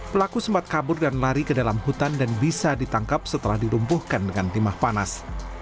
pelaku sempat kabur dan lari ke dalam hutan dan bisa ditangkap setelah dirumpuhkan dengan timah panas